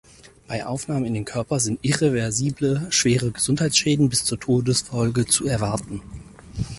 Bei Aufnahme in den Körper sind irreversible schwere Gesundheitsschäden bis zur Todesfolge zu erwarten.